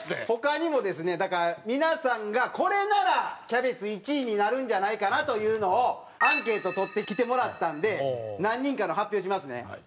他にもですねだから皆さんがこれならキャベツ１位になるんじゃないかなというのをアンケート取ってきてもらったんで何人かの発表しますね。